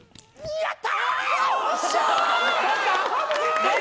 やった！